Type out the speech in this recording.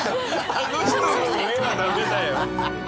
あの人の上はダメだよ。